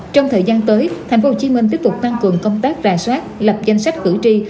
trong thời gian tới tp hcm tiếp tục tăng cường công tác rà soát lập danh sách cử tri